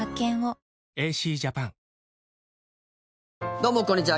どうもこんにちは。